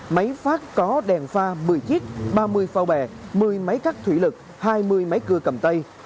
máy phát có đèn pha một mươi chiếc ba mươi phao bè một mươi máy cắt thủy lực hai mươi máy cưa cầm tay